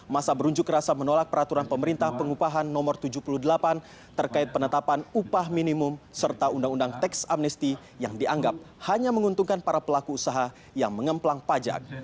masa berunjuk rasa menolak peraturan pemerintah pengupahan no tujuh puluh delapan terkait penetapan upah minimum serta undang undang teks amnesti yang dianggap hanya menguntungkan para pelaku usaha yang mengemplang pajak